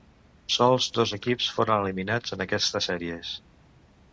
Sols dos equips foren eliminats en aquestes sèries.